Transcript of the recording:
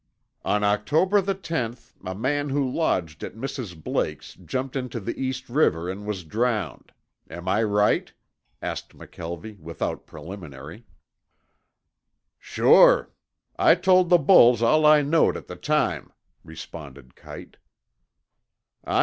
"On October the tenth a man who lodged at Mrs. Blake's jumped into the East River and was drowned. Am I right?" asked McKelvie without preliminary. "Sure. I told the bulls all I knowed at the time," responded Kite.